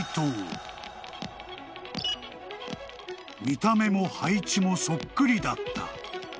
［見た目も配置もそっくりだった］